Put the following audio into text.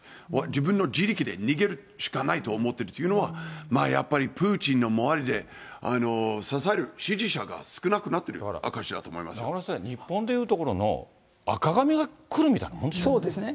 自分の自力で逃げるしかないと思ってるっていうのは、まあ、やっぱりプーチンの周りで支える支持者が少なくなってる証しだと中村先生、日本でいうところの赤紙が来るみたいなもんですよね。